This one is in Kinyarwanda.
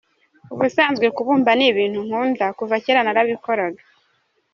Ubusanzwe kubumba ni ibintu nkunda, kuva kera narabikoraga.